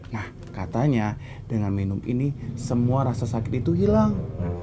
nah katanya dengan minum ini semua rasa sakit itu hilang